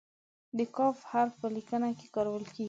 د "ک" حرف په لیکنه کې کارول کیږي.